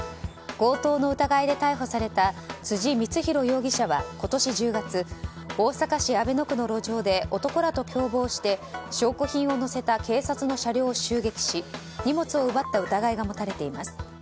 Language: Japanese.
強盗の疑いで逮捕された辻充宏容疑者は今年１０月大阪市阿倍野区の路上で男らと共謀して証拠品を乗せた警察の車両を襲撃し荷物を奪った疑いが持たれています。